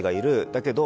だけど、